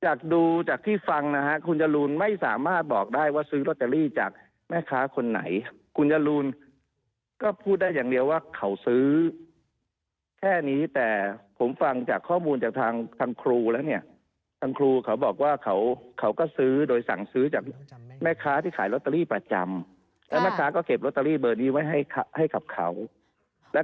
จากดูจากที่ฟังนะฮะคุณจรูนไม่สามารถบอกได้ว่าซื้อลอตเตอรี่จากแม่ค้าคนไหนคุณจรูนก็พูดได้อย่างเดียวว่าเขาซื้อแค่นี้แต่ผมฟังจากข้อมูลจากทางครูแล้วเนี่ยทางครูเขาบอกว่าเขาเขาก็ซื้อโดยสั่งซื้อจากแม่ค้าที่ขายลอตเตอรี่ประจำแล้วแม่ค้าก็เก็บลอตเตอรี่เบอร์นี้ไว้ให้ให้กับเขาแล้ว